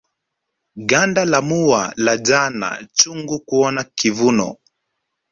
Ganda la mua la jana chungu kaona kivuno